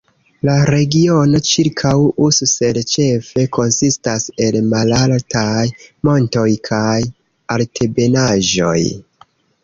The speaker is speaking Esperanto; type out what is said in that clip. La regiono ĉirkaŭ Ussel ĉefe konsistas el malaltaj montoj kaj altebenaĵoj.